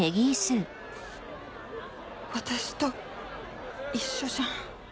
私と一緒じゃん。